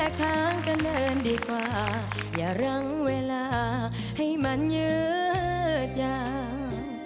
ค้างกันเดินดีกว่าอย่ารังเวลาให้มันยืดยาง